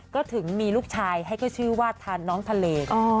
ก็ถึงมีลูกชายให้ก็ชื่อว่าทานน้องทะเล